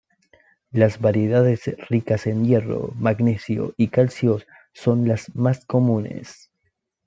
Las variedades ricas en hierro, magnesio y calcio son las más comunes.